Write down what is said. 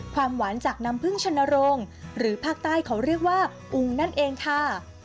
ความหวานจากน้ำพึ่งชนโรงหรือภาคใต้เขาเรียกว่าอุงนั่นเองค่ะ